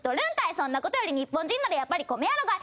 そんなことより日本人ならやっぱり米やろがい！